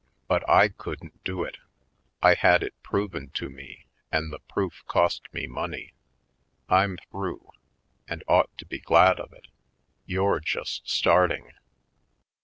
But I couldn't do it — I had it proven to me and the proof cost me money. I'm through — and ought to be glad of it. You're just starting."